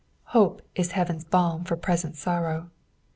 Hope is heaven's balm for present sorrow.